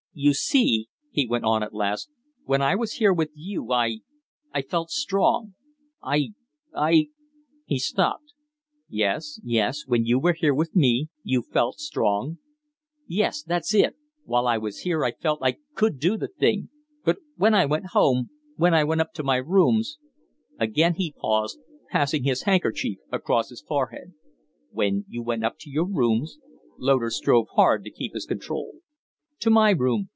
"You see," he went on, at last, "when I was here with you I I felt strong. I I " He stopped. "Yes, yes. When you were here with me you felt strong." "Yes, that's it. While I was here, I felt I could do the thing. But when I went home when I went up to my rooms " Again he paused, passing his handkerchief across his forehead. "When you went up to your rooms?" Loder strove hard to keep his control. "To my room